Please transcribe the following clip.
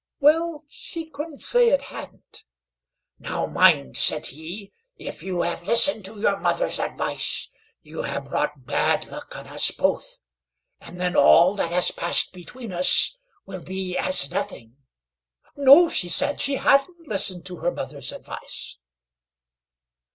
"Well, she couldn't say it hadn't." "Now, mind," said he, "if you have listened to your mother's advice, you have brought bad luck on us both, and then, all that has passed between us will be as nothing." "No," she said, "she hadn't listened to her mother's advice."